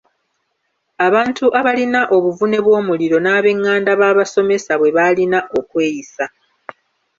Abantu abalina obuvune bw’omuliro n’ab’enganda baabasomesa bwe baalina okweyisa.